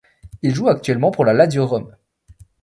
Il joue actuellement pour la Lazio Rome.